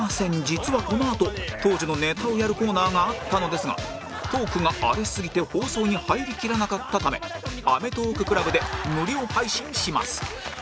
実はこのあと当時のネタをやるコーナーがあったのですがトークが荒れすぎて放送に入りきらなかったためアメトーーク ＣＬＵＢ で無料配信します